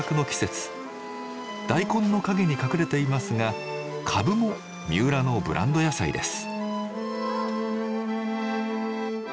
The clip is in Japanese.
大根の陰に隠れていますがカブも三浦のブランド野菜です。